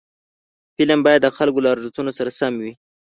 فلم باید د خلکو له ارزښتونو سره سم وي